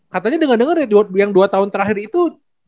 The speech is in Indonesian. katanya denger denger ya yang dua tahun terakhir itu